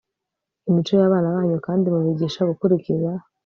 imico yabana banyu kandi mubigisha gukurikiza